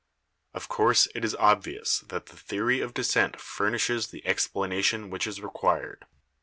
"Of course it is obvious that the theory of descent fur nishes the explanation which is required.